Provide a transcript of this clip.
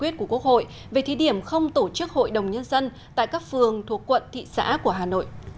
thí điểm không tổ chức hội đồng nhân dân tại các phường thuộc quận thị xã của hà nội